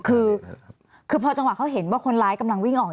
คือคือพอจังหวะเขาเห็นว่าคนร้ายกำลังวิ่งออก